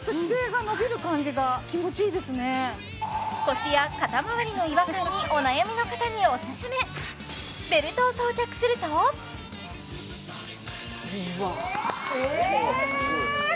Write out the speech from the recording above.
腰や肩まわりの違和感にお悩みの方におすすめベルトを装着するとうわあえ！？